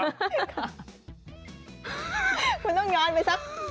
คุณต้องย้อนไปสัก